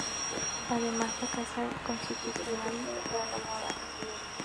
Además, la casa consistorial fue reformada.